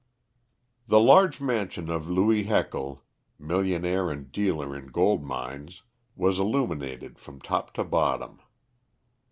The large mansion of Louis Heckle, millionaire and dealer in gold mines, was illuminated from top to bottom.